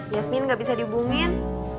yasmin gak bisa dihubungin